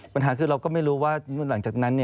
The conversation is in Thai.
ปัญหาคือเราก็ไม่รู้ว่าหลังจากนั้น